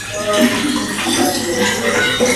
কিডিকে দিয়ে লেখাতে থাকো, তাতেই তার মেজাজ ঠিক থাকবে।